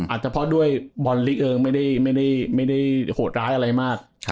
อาจจะเพราะด้วยบอลลิกเองไม่ได้โหดร้ายอะไรมาก